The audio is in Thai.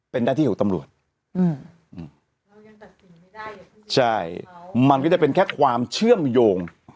เป็นหน้าที่ของตำรวจใช่มันก็จะเป็นแค่ความเชื่อมโยง